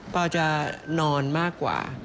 พอจะนอนมากกว่า